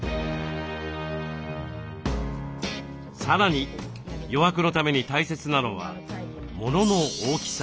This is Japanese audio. さらに余白のために大切なのはモノの大きさ。